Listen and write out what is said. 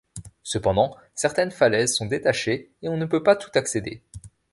Cependant, certaines falaises sont détachés et on ne peut pas tout accéder.